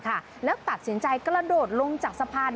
แล้วตัดสินใจกระโดดลงจากสะพาน